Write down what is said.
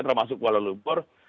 termasuk kuala lumpur